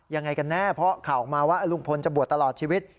ยังไงกันแน่เพราะข่าวออกมาว่าลุงพลจะบวชตลอดชีวิต